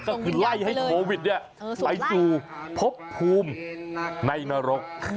ก็คือไล่ให้โควิดไปสู่พบภูมิในนรก